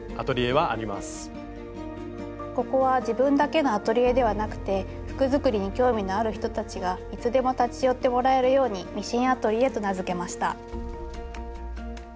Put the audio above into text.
ここは自分だけのアトリエではなくて服作りに興味のある人たちがいつでも立ち寄ってもらえるように「ミシンアトリエ」と名付けました。